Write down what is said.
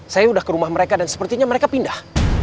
saya sudah ke rumah mereka dan sepertinya mereka pindah